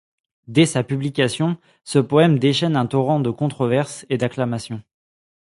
Dès sa publication, ce poème déchaîne un torrent de controverses et d'acclamations.